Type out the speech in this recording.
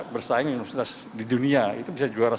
bersaing dengan universitas di dunia itu bisa juara satu